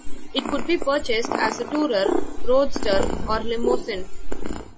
It could be purchased as a tourer, roadster or limousine.